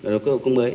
rồi cũng mới